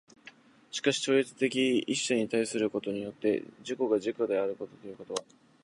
しかして超越的一者に対することによって自己が自己であるということは、